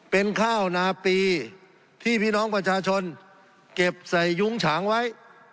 เป็นข้าวนาปีที่พี่น้องประชาชนเก็บใส่ยุ้งฉางไว้